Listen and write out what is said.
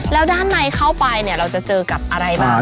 แล้วด้านในเข้าไปเนี่ยเราจะเจอกับอะไรบ้าง